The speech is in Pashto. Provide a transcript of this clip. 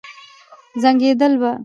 زنګېدل به.